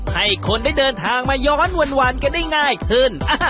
ให้คนได้เดินทางมาย้อนหวานกันได้ง่ายขึ้น